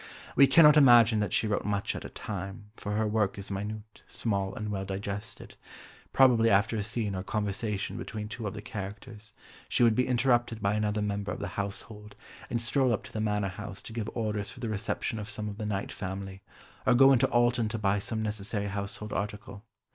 We cannot imagine that she wrote much at a time, for her work is minute, small, and well digested; probably after a scene or conversation between two of the characters, she would be interrupted by another member of the household, and stroll up to the Manor House to give orders for the reception of some of the Knight family, or go into Alton to buy some necessary household article.